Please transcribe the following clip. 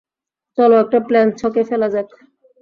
চলো একটা প্ল্যান ছকে ফেলা যাক।